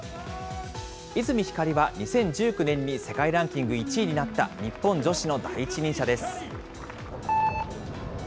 泉ひかりは２０１９年に世界ランキング１位になった日本女子の第一人者です。